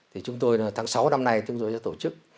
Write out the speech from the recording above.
thì chúng tôi là tháng sáu năm nay chúng tôi sẽ tổ chức